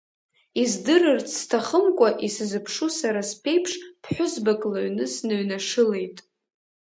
Издырырц сҭахымкәа исзыԥшу сара сԥеиԥш, ԥҳәызбак лыҩны сныҩнашылеит!